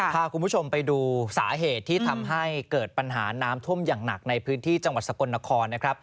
พาคุณผู้ชมไปดูสาเหตุที่ทำให้เกิดปัญหาน้ำท่วมอย่างหนักในพื้นที่จังหวัดสกลนครนะครับ